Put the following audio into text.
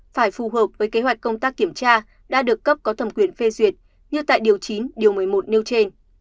phải phù hợp với kế hoạch công tác kiểm tra đã được cấp có thẩm quyền phê duyệt như tại điều chín điều một mươi một nêu trên